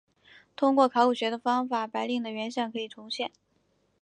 通过考古学的方法白令的原像可以重现。